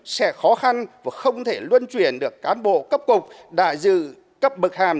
sẽ khó khăn và không thể luân chuyển được cán bộ cấp cục đại dự cấp bực hàm